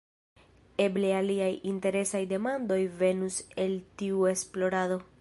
Eble aliaj interesaj demandoj venos el tiu esplorado.